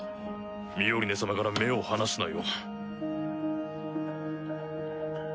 ミオリネ様から目を離すなよ。